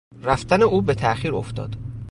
رفتن او به تاخیر افتاد.